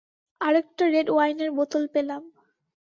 আরেকটা রেড ওয়াইনের বোতল পেলাম।